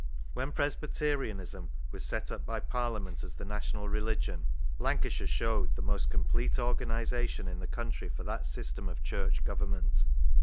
When Presbyterianism was set up by Parliament as the national religion, Lancashire showed the most complete organisation in the country for that system of church government.